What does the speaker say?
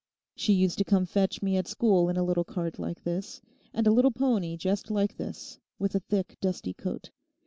She used to come to fetch me at school in a little cart like this, and a little pony just like this, with a thick dusty coat.